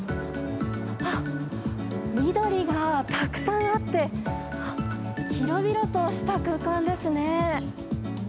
緑がたくさんあって広々とした空間ですね。